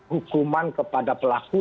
hukuman kepada pelaku